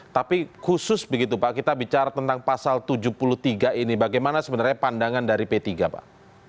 tapi khusus begitu pak kita bicara tentang pasal tujuh puluh tiga ini bagaimana sebenarnya pandangan dari p tiga pak